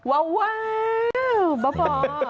ว้าวบ๊อบบอ